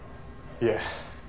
いえ。